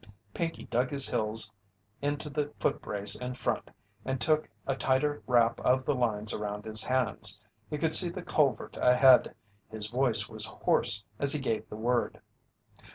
Pinkey dug his heels into the foot brace in front and took a tighter wrap of the lines around his hands. He could see the culvert ahead. His voice was hoarse as he gave the word.